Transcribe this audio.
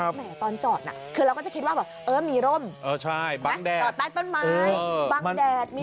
พี่แหม่ตอนจอดคือเราก็จะคิดว่าเออมีร่มจอดแป้งต้นไม้บ้างแดดมีร่ม